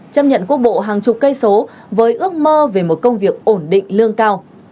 chấp nhận quốc bộ hàng chục cây số với ước mơ về một công việc ổn định lương cao